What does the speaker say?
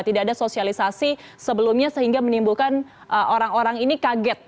tidak ada sosialisasi sebelumnya sehingga menimbulkan orang orang ini kaget